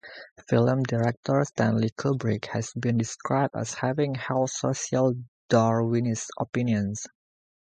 Film director Stanley Kubrick has been described as having held social Darwinist opinions.